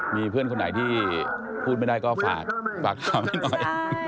มีเพื่อนคนไหนที่พูดไม่ได้ก็ฝากถามให้หน่อย